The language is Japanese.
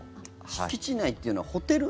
敷地内っていうのはホテル？